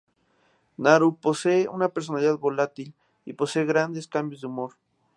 Naru posee una personalidad volátil, y posee grandes cambios de humor.